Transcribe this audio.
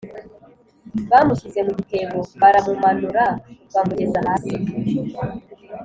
Bamushyize mu gitebo baramumanura bamugeza hasi